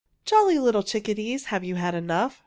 Jolly little chickadees, Have you had enough?